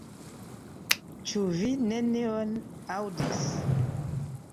Ĉu vi nenion aŭdis?